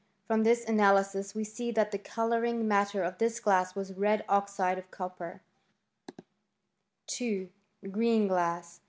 From this analysis we see that the colour* ing matter of this glass was red oxide of copper, 2. Green glass.